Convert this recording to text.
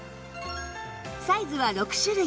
サイズは６種類